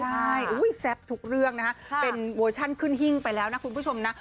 ใช่อุ้ยแซ่บถูกเรื่องนะเป็นโวชั่นขึ้นหิ้งไปแล้วนะคุณผู้ชมนะ